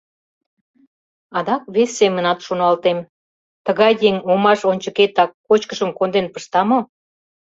Адак вес семынат шоналтем: тыгай еҥ омаш ончыкетак кочкышым конден пышта мо?